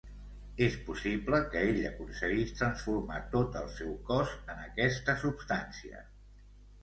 És possible que ell aconseguís transformar tot el seu cos en aquesta substància.